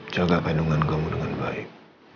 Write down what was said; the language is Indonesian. jaga kandungan kamu dengan baik